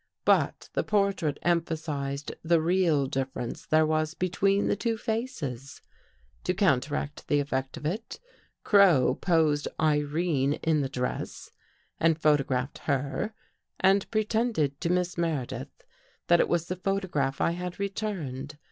But the portrait emphasized the real difference there was between the two faces. To counteract the effect of it. Crow posed Irene in 295 THE GHOST GIRL the dress and photographed her and pretended to Miss Meredith that it was the photograph I had returned.